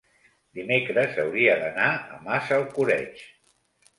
dimecres hauria d'anar a Massalcoreig.